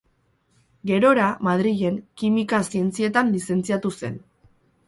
Gerora, Madrilen, Kimika Zientzietan lizentziatu zen.